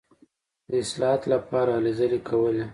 د اصلاحاتو لپاره هلې ځلې کولې.